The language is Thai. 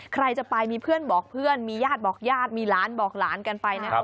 ใครจะไปมีเพื่อนบอกเพื่อนมีญาติบอกญาติมีหลานบอกหลานกันไปนะครับ